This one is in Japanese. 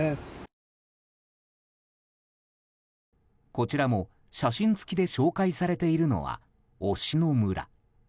こちらも、写真付きで紹介されているのは忍野村。